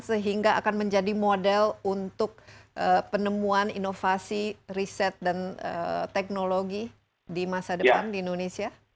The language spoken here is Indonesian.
sehingga akan menjadi model untuk penemuan inovasi riset dan teknologi di masa depan di indonesia